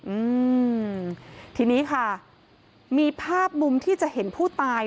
อืมทีนี้ค่ะมีภาพมุมที่จะเห็นผู้ตาย